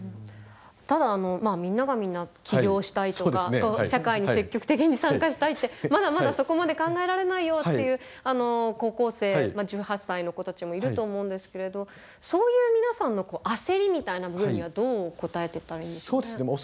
ただみんながみんな起業したいとか社会に積極的に参加したいってまだまだそこまで考えられないよっていう高校生１８歳の子たちもいると思うんですけれどそういう皆さんの焦りみたいな部分にはどう答えていったらいいんでしょうね。